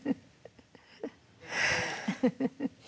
フフフッ。